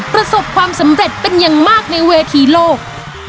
ประสบความสำเร็จเป็นอย่างมากในเวทีโลก